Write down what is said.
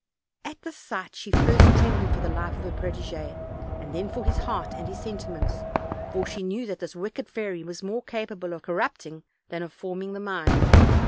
At this sight she at first trembled for the life of her protege, and then for his heart and his sentiments, for she knew that this wicked fairy was more capable of corrupting than of forming the mind.